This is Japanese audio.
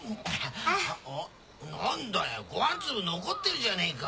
あ何だよご飯粒残ってるじゃねえか。